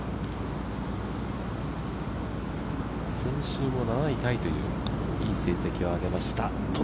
先週も７位タイといういい成績でした。